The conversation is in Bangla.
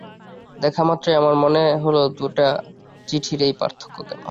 দেখামাত্রই আমার মনে হল দুটা চিঠির এই পার্থক্য কেন?